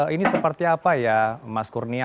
ini seperti apa ya mas kurnia